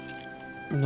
何？